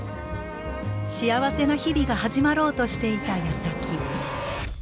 幸せな日々が始まろうとしていたやさき。